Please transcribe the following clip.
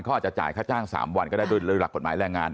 เขาอาจจะจ่ายค่าจ้าง๓วันก็ได้โดยหลักกฎหมายแรงงาน